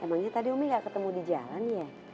emangnya tadi umi gak ketemu di jalan ya